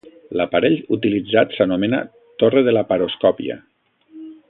L'aparell utilitzat s'anomena torre de laparoscòpia.